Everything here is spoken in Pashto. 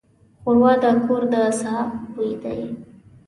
ښوروا د کور د ساه بوی دی.